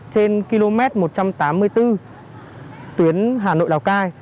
trên km một trăm tám mươi bốn tuyến hà nội lào cai